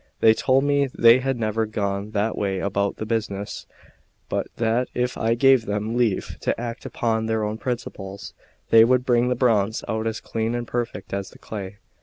They told me they had never gone that way about the business; but that if I gave them leave to act upon their own principles, they would bring the bronze out as clean and perfect as the clay.